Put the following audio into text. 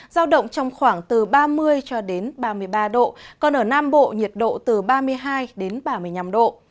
giao động trong khoảng từ ba mươi cho đến ba mươi ba độ còn ở nam bộ nhiệt độ từ ba mươi hai đến ba mươi năm độ